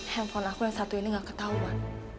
handphone aku yang satu ini gak ketahuan